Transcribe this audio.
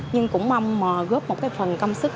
nhưng cũng mong góp một phần công sức